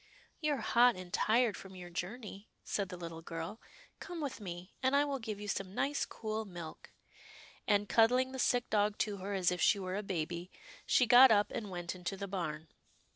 " You're hot and tired from your journey," said the little girl, " come with me, and I will give you some nice, cool milk," and, cuddling the sick dog to her as if she were a baby, she got up and went into the barn.